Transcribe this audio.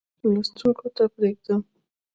لوستونکو ته پرېږدم.